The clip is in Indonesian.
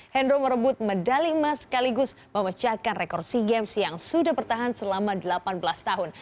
hendro merebut medali emas sekaligus memecahkan rekor sea games yang sudah bertahan selama delapan belas tahun